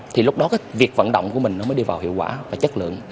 thì lúc đó cái việc vận động của mình nó mới đi vào hiệu quả và chất lượng